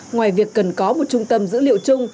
ngoài việc cần có một trung tâm dữ liệu chung